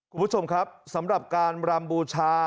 คุณผู้ชมครับสำหรับการรำบูชา